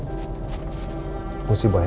kamu masih bisa